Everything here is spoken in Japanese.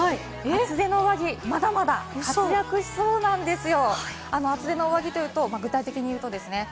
厚手の上着、まだまだ活躍しそうなんですよ。